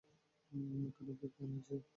ওখানে ভিড় কেন, জি?